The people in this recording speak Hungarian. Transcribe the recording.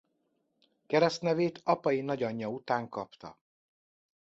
Keresztnevét apai nagyanyja után kapta.